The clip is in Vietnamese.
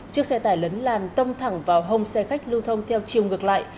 chiếc xe tải lấn làn tông thẳng vào hông xe khách lưu thông theo chiều ngược lại